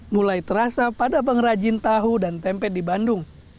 mulai terasa pada pengrajin tahu dan tempe di bandung